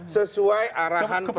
sesuai arahan presiden joko widodo